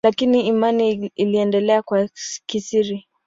Lakini imani iliendelea kwa siri.